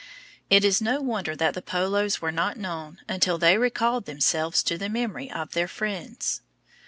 It is no wonder that the Polos were not known until they recalled themselves to the memory of their friends.